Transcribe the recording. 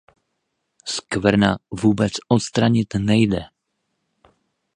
Skvrna vůbec odstranit nejde.